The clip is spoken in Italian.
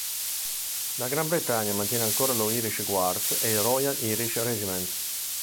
La Gran Bretagna mantiene ancora lo "Irish Guards" e il "Royal Irish Regiment".